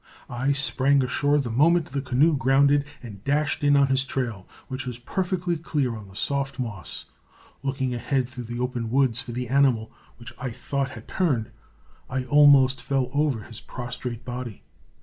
I sprang ashore the moment the canoe grounded, and dashed in on his trail, which was perfectly clear on the soft moss. Looking ahead through the open woods for the animal, which I thought had turned, I almost fell over his prostrate body.